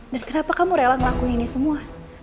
dan kenapa kamu rela ngelakuin ini semua